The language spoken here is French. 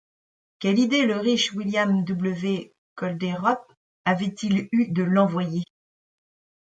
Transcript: Quelle idée le riche William W. Kolderup avait-il eue de l’envoyer !